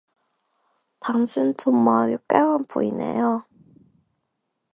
당신 정말 유쾌한 분이네요.